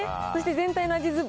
そして全体の味